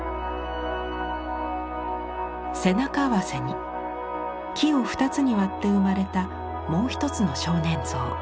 背中合わせに木を二つに割って生まれたもう一つの少年像。